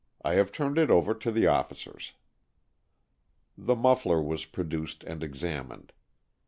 I have turned it over to the officers." The muffler was produced and examined.